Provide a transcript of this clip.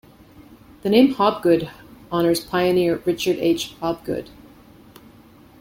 The name Hobgood honors pioneer Richard H. Hobgood.